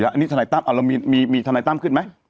อันนี้ทนายตั้มเรามีทนายตั้มขึ้นไหม